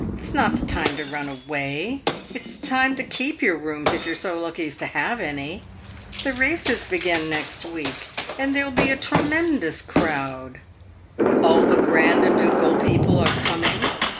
It 's not the time to run away it 's the time to keep your rooms, if you 're so lucky as to have any. The races begin next week and there 'll be a tremendous crowd. All the grand ducal people are coming.